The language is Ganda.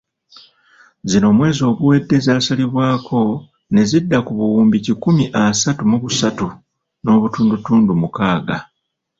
Zino omwezi oguwedde zasalibwako ne zidda ku buwumbi kikumi asatu mu busatu n'obutundutundu mukaaga.